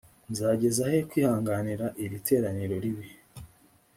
nzageza he kwihanganira iri teraniro ribi